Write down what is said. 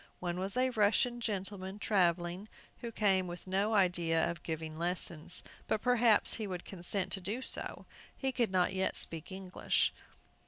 One was a Russian gentleman, travelling, who came with no idea of giving lessons, but perhaps he would consent to do so. He could not yet speak English.